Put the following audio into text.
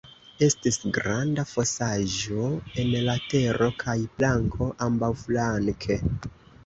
Estis granda fosaĵo en la tero kaj planko ambaŭflanke.